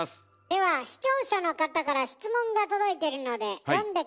では視聴者の方から質問が届いてるので読んで下さい。